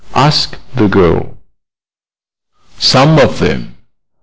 asked the girl. "Some of them.